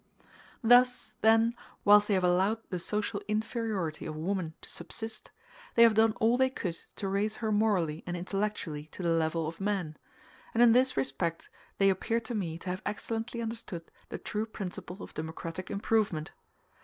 Thus, then, whilst they have allowed the social inferiority of woman to subsist, they have done all they could to raise her morally and intellectually to the level of man; and in this respect they appear to me to have excellently understood the true principle of democratic improvement.